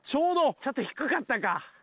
ちょっと低かったか。